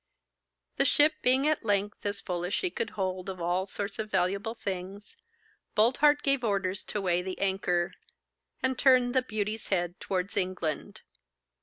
The ship being at length as full as she could hold of all sorts of valuable things, Boldheart gave orders to weigh the anchor, and turn 'The Beauty's' head towards England.